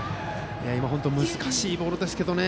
今のも難しいボールですけどね。